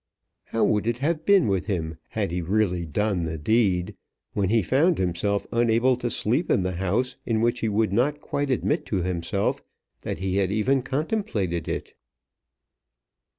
How would it have been with him had he really done the deed, when he found himself unable to sleep in the house in which he would not quite admit to himself that he had even contemplated it?